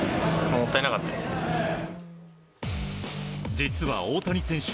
実は大谷選手